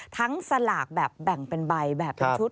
สลากแบบแบ่งเป็นใบแบบเป็นชุด